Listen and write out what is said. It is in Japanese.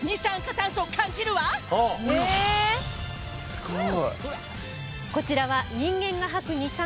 すごい！